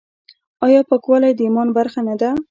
آیا پاکوالی د ایمان برخه نه ده؟